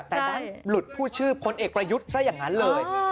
แต่ได้หลุดผู้ชื่อพลเอกประยุทธ์ซะอย่างนั้นเลย